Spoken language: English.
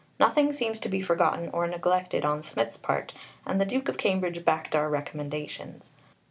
Nothing seems to be forgotten or neglected on Smith's part, and the Duke of Cambridge backed our recommendations.